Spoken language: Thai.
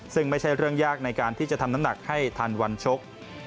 ซึ่งไม่ใช่เรื่องยากในการที่จะทำน้ำหนักให้ทันวันชก